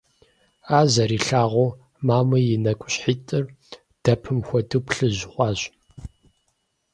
Ар зэрилъагъуу, мамэ и нэкӀущхьитӀыр, дэпым хуэдэу, плъыжь хъуащ.